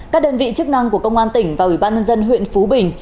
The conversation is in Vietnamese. các đơn vị chức năng của công an tỉnh và ủy ban nhân dân huyện phú bình